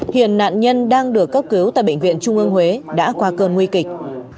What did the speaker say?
hiện nạn nhân đang được cấp cứu tại bệnh viện trung ương huế đã qua cơn nguy kịch